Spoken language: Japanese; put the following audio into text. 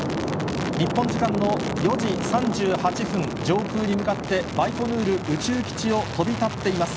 日本時間の４時３８分、上空に向かってバイコヌール宇宙基地を飛び立っています。